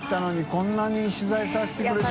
こんなに取材させてくれて。